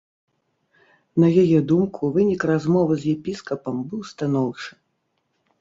На яе думку, вынік размовы з епіскапам быў станоўчы.